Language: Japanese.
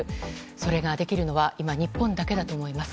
それができるのは今、日本だけだと思います。